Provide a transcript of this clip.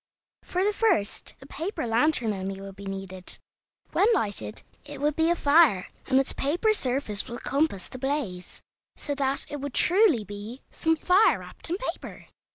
For the first a paper lantern only would be needed. When lighted it would be a fire, and its paper surface would compass the blaze, so that it would truly be "some fire wrapped in paper."